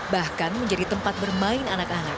bahkan menjadi tempat bermain anak anak